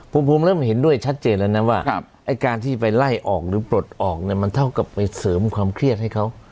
ภูมิเริ่มเห็นด้วยชัดเจนแล้วนะว่าไอ้การที่ไปไล่ออกหรือปลดออกเนี่ยมันเท่ากับไปเสริมความเครียดให้เขา